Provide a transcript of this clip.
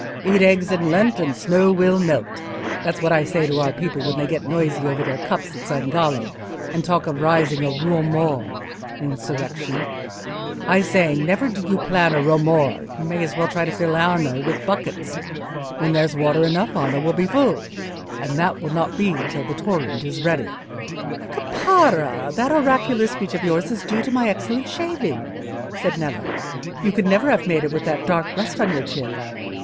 "Eat eggs in Lent and the snow will melt. That's what I say to our people when they get noisy over their cups at San Gallo, and talk of raising a romor (insurrection): I say, never do you plan a romor; you may as well try to fill Arno with buckets. When there's water enough Arno will be full, and that will not be till the torrent is ready." "Caparra, that oracular speech of yours is due to my excellent shaving," said Nello. "You could never have made it with that dark rust on your chin.